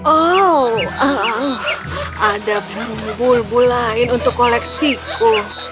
oh ada burung bulu lain untuk koleksiku